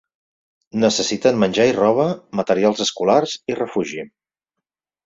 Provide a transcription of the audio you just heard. Necessiten menjar i roba, materials escolars i refugi.